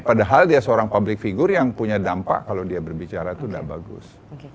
padahal dia seorang public figure yang punya dampak kalau dia berbicara itu tidak bagus